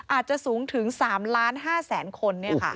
อาจจะสูงถึง๓๕๐๐๐คน